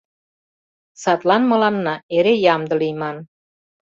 Садлан мыланна эре ямде лийман.